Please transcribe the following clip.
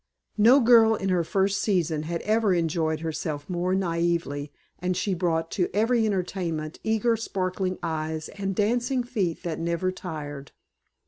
No girl in her first season had ever enjoyed herself more naively and she brought to every entertainment eager sparkling eyes and dancing feet that never tired.